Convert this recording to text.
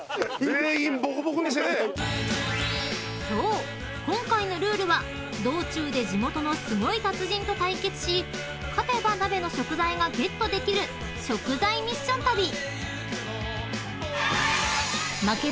［そう今回のルールは道中で地元のすごい達人と対決し勝てば鍋の食材がゲットできる食材ミッション旅］